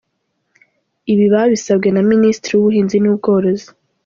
Ibi babisabwe na Minisitiri w’Ubuhinzi n’Ubworozi,